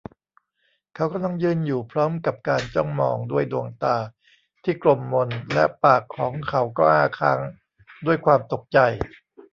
เขากำลังยืนอยู่พร้อมกับการจ้องมองด้วยดวงตาที่กลมมนและปากของเขาก็อ้าค้างด้วยความตกใจ